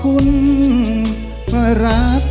โปรดเป็นแรงใจ